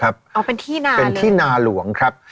เอาเป็นที่นาเป็นที่นาหลวงครับ